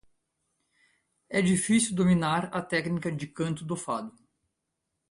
É difícil dominar a técnica de canto do fado.